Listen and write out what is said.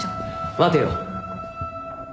待てよ。